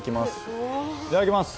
いただきます！